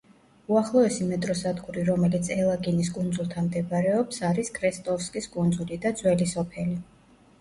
უახლოესი მეტროსადგური, რომელიც ელაგინის კუნძულთან მდებარეობს არის „კრესტოვსკის კუნძული“ და „ძველი სოფელი“.